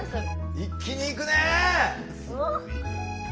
一気にいくね！